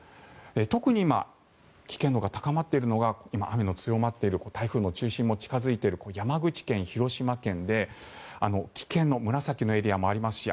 特に今、危険度が高まっているのが雨が強まっている台風の中心も近付いている山口県、広島県で危険の紫のエリアもありますし